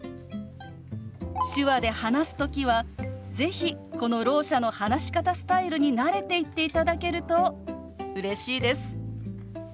手話で話す時は是非このろう者の話し方スタイルに慣れていっていただけるとうれしいです。